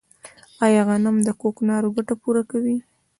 آیا غنم د کوکنارو ګټه پوره کوي؟